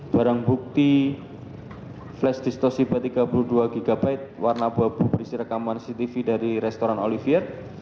barang bukti flash distosipa tiga puluh dua gb warna abu abu berisi rekaman cctv dari restoran olivier